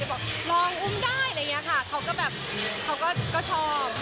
บอกลองอุ้มได้อะไรอย่างนี้ค่ะเขาก็แบบเขาก็ชอบ